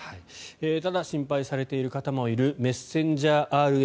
ただ心配されている方もいるメッセンジャーＲＮＡ。